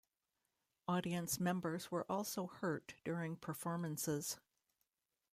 Audience members were also hurt during performances.